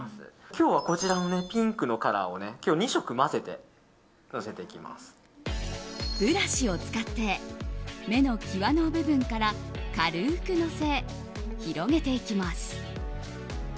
今日はこちらのピンクのカラーをブラシを使って目の際の部分から軽くのせ、広げていきます。